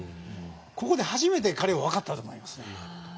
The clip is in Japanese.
ここで初めて彼は分かったと思いますね。